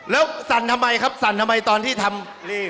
แล้วสั่นทำไมครับสั่นทำไมตอนที่ทำนี่